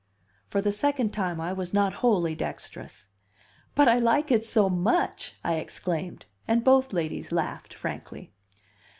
For the second time I was not wholly dexterous. "But I like it so much!" I exclaimed; and both ladies laughed frankly.